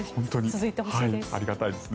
ありがたいです。